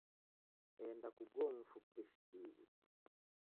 Enda kuguo mfu pishi iw'i